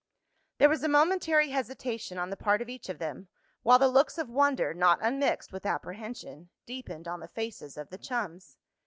There was a momentary hesitation on the part of each of them, while the looks of wonder, not unmixed with apprehension, deepened on the faces of the chums.